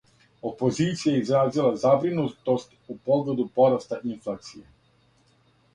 Опозиција је изразила забринутост у погледу пораста инфлације.